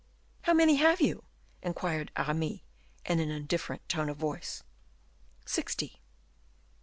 "How many have you?" inquired Aramis, in an indifferent tone of voice. "Sixty."